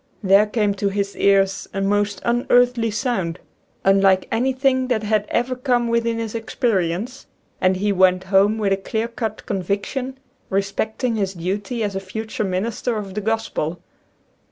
There came to his ears a most unearthly sound, unlike anything that had ever come within his experience, and he went home with a clear cut conviction respecting his duty as a future minister of the Gospel.